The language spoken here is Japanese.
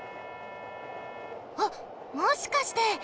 あっもしかして！